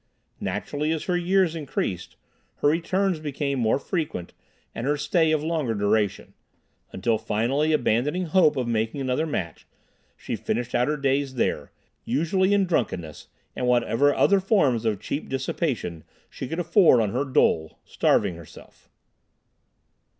Naturally, as her years increased, her returns became more frequent and her stay of longer duration, until finally, abandoning hope of making another match, she finished out her days there, usually in drunkenness and whatever other forms of cheap dissipation she could afford on her dole, starving herself.